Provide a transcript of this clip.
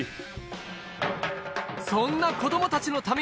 そんな子供たちのために